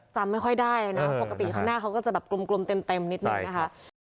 จำไม่ค่อยได้แล้วนะครับปกติข้างหน้าเขาก็จะแบบกลมกลมเต็มเต็มนิดหนึ่งนะคะ